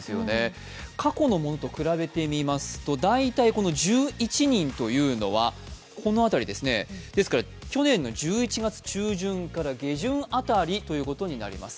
過去のものと比べてみますと、１１人というのはこの辺りですねですから去年の１１月中旬から下旬辺りということになります。